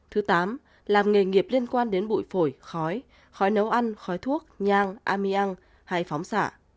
thứ tám làm nghề nghiệp liên quan đến bụi phổi khói khói nấu ăn khói thuốc nhang aming hay phóng xạ